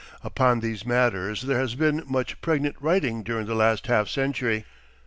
Upon these matters there has been much pregnant writing during the last half century.